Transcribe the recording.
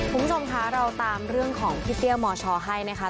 คุณผู้ชมคะเราตามเรื่องของพี่เตี้ยมชให้นะคะ